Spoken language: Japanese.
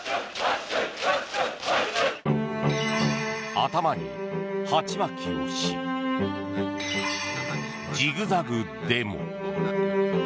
頭に鉢巻きをしジグザグデモ。